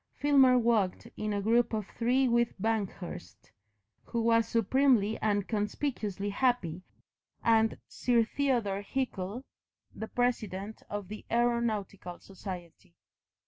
Filmer walked in a group of three with Banghurst, who was supremely and conspicuously happy, and Sir Theodore Hickle, the president of the Aeronautical Society.